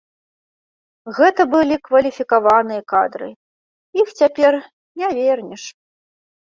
Гэта былі кваліфікаваныя кадры, іх цяпер не вернеш.